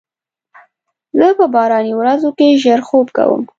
زه په باراني ورځو کې ژر خوب کوم.